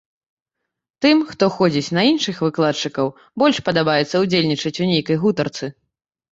Тым, хто ходзіць на іншых выкладчыкаў, больш падабаецца ўдзельнічаць у нейкай гутарцы.